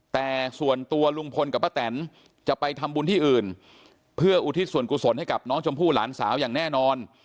แต่ส่วนตัวลุงพลกับป้าแตนจะไปทำบุญที่อื่นเพื่ออุทิศส่วนกุศลให้กับน้องชมพู่หลานสาวอย่างแน่นอน